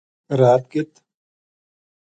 رات کِ